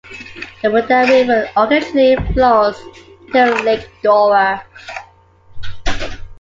The Rudall River occasionally flows into Lake Dora.